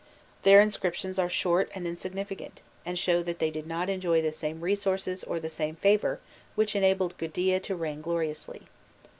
Their inscriptions are short and insignificant, and show that they did not enjoy the same resources or the same favour which enabled Gudea to reign gloriously.